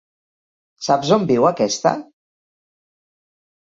Saps on viu aquesta...?